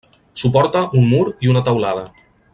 Suporta un mur i una teulada.